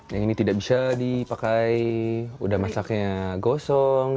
yang ini tidak bisa dipakai udah masaknya gosong